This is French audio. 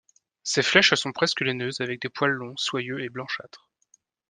Ses flèches sont presque laineuses avec des poils longs, soyeux et blanchâtres.